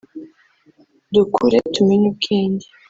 Dukure tumenye ubwenge